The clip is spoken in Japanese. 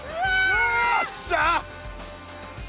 よっしゃ。